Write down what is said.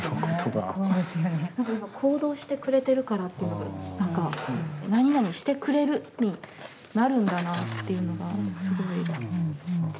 なんか今行動してくれてるからっていうのがなんか「なになにしてくれる」になるんだなっていうのがすごい。